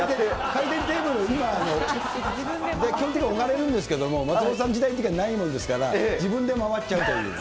回転テーブル、基本的に置かれるんですけど、松本さんの時代にはないものですから、自分で回っちゃうという。